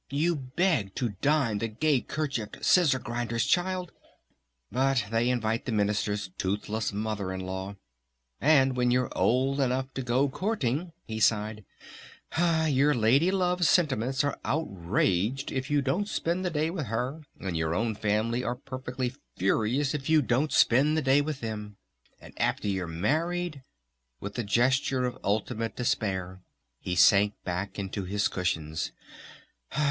You beg to dine the gay kerchiefed Scissor Grinder's child, but they invite the Minister's toothless mother in law!... And when you're old enough to go courting," he sighed, "your lady love's sentiments are outraged if you don't spend the day with her and your own family are perfectly furious if you don't spend the day with them!... And after you're married?" With a gesture of ultimate despair he sank back into his cushions.